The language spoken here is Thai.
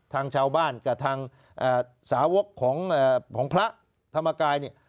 ทางชาวบ้านกับทางสาวกของพระธรรมกายเนี่ย